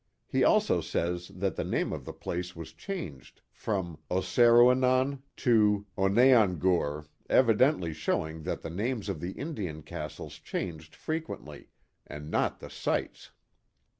He also says that the name of the place was changed from Osseruenon to Oneongoure, evidently showing that the names of the Indian castles changed frequently, and not the sites.